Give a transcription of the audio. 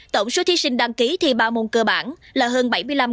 tổng số thí sinh đăng ký thi ba môn cơ bản là hơn bảy mươi năm